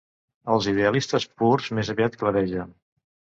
Els idealistes purs més aviat claregen.